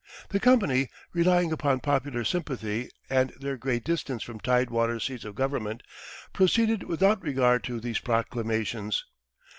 The company, relying upon popular sympathy and their great distance from tidewater seats of government, proceeded without regard to these proclamations.